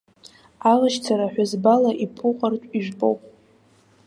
Алашьцара ҳәызбала иԥуҟартә ижәпоуп.